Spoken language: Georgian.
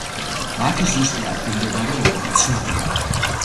მათი ზუსტი ადგილმდებარეობა უცნობია.